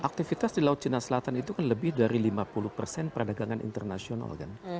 aktivitas di laut cina selatan itu kan lebih dari lima puluh persen perdagangan internasional kan